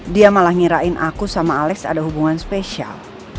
dia malah ngirain aku sama alex ada hubungan spesial